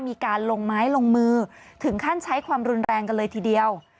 มีการลงไม้ลงมือถึงขั้นใช้ความรุนแรงกันเลยทีเดียว